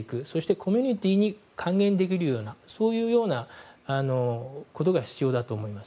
コミュニティーに還元できるようなそういうことが必要だと思います。